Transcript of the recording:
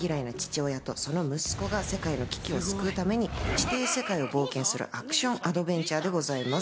映画は冒険嫌いな父親とその息子が世界の危機を救うために地底世界を冒険するアクションアドベンチャーでございます。